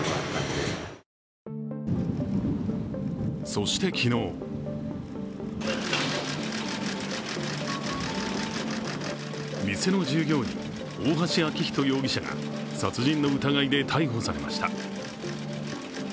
そして昨日店の従業員、大橋昭仁容疑者が殺人の疑いで逮捕されました。